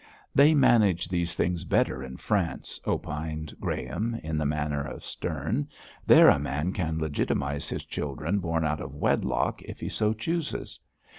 'They manage these things better in France,' opined Graham, in the manner of Sterne; 'there a man can legitimise his children born out of wedlock if he so chooses.